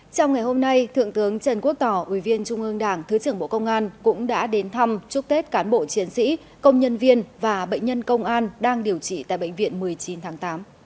trong ngày hôm nay thượng tướng trần quốc tỏ ủy viên trung ương đảng thứ trưởng bộ công an cũng đã đến thăm chúc tết cán bộ chiến sĩ công nhân viên và bệnh nhân công an đang điều trị tại bệnh viện một mươi chín tháng tám